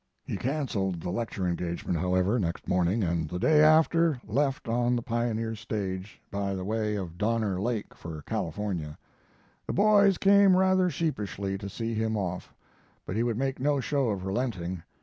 "He canceled the lecture engagement, however, next morning, and the day after left on the Pioneer Stage, by the way of Donner Lake, for California. The boys came rather sheepishly to see him off; but he would make no show of relenting.